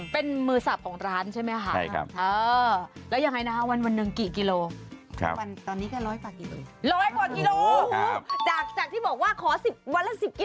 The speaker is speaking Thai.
เป็นยังไงเอาเป็นกิโลกรัมดีกว่าก่อนค่ะ